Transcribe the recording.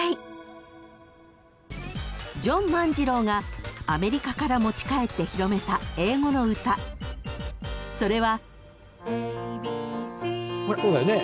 ［ジョン万次郎がアメリカから持ち帰って広めた英語の歌それは］